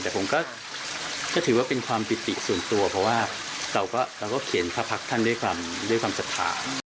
แต่ผมก็ถือว่าเป็นความปิติส่วนตัวเพราะว่าเราก็เขียนพระพักษ์ท่านด้วยความด้วยความศรัทธา